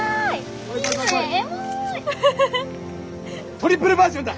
トリプルバージョンだ！